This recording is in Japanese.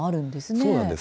そうなんです。